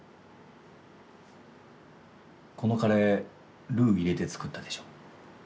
このカレールー入れて作ったでしょ？